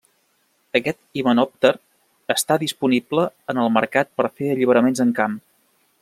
Aquest himenòpter està disponible en el mercat per fer alliberaments en camp.